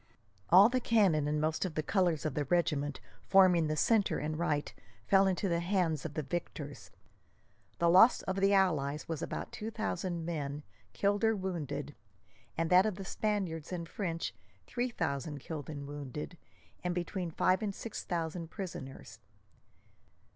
All the cannon and most of the colours of the regiments forming the centre and right fell into the hands of the victors. The loss of the allies was about two thousand men, killed or wounded; and that of the Spaniards and French three thousand killed and wounded, and between five and six thousand prisoners.